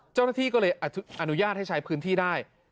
เจ้าหน้าที่ก็เลยอนุญาตให้ใช้พื้นที่ได้